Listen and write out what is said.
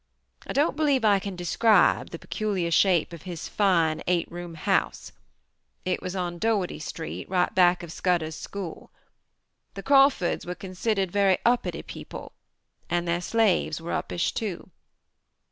I don't believe I can describe the peculiar shape of his fine eight room house. It was on Dougherty Street, right back of Scudder's School. The Crawfords were considered very uppity people and their slaves were uppish too.